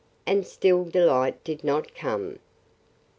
And still Delight did not come.